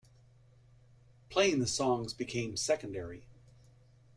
Playing the songs became secondary.